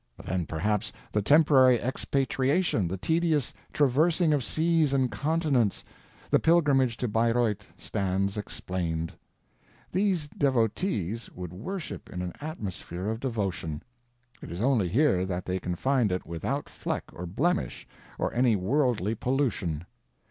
Then, perhaps the temporary expatriation, the tedious traversing of seas and continents, the pilgrimage to Bayreuth stands explained. These devotees would worship in an atmosphere of devotion. It is only here that they can find it without fleck or blemish or any worldly pollution.